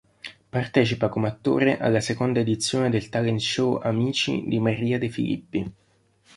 Partecipa come attore alla seconda edizione del talent show Amici di Maria De Filippi.